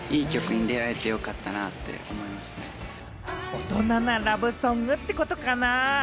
大人なラブソングってことかな？